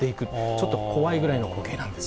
ちょっと怖いぐらいの光景なんです。